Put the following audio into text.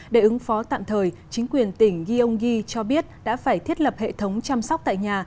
để ứng phó tạm thời chính quyền tỉnh gyeonggi cho biết đã phải thiết lập hệ thống chăm sóc tại nhà